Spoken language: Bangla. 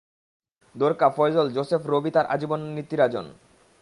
দ্বোরকা, ফয়জল, জোসেফ, রবি আর আজ নীতীরাজান।